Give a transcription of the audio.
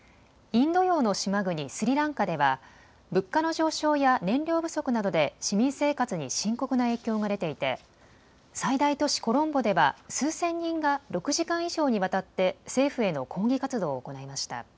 インド洋の島国スリランカでは物価の上昇や燃料不足などで市民生活に深刻な影響が出ていて最大都市コロンボでは数千人が６時間以上にわたって政府への抗議活動を行いました。